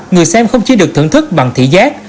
người xem không chỉ được thưởng thức bằng thị giác